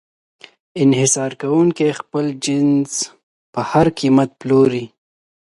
انحصار کوونکی خپل جنس په هر قیمت پلوري.